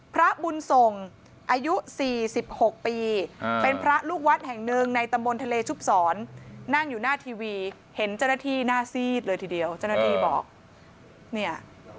พระบุญส่งอายุ๔๖ปีเป็นพระลูกวัดแห่งหนึ่งในตำบลทะเลชุบศรนั่งอยู่หน้าทีวีเห็นเจ้าหน้าที่หน้าซีดเลยทีเดียวเจ้าหน้าที่บอกเนี่ย